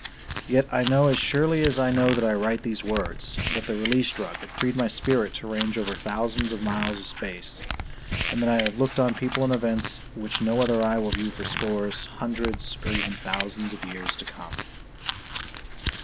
Yet I know as surely as I know that I write these words that the Release Drug had freed my spirit to range over thousands of miles of space, and that I have looked on people and events which no other eye will view for scores, hundreds or even thousands of years to come.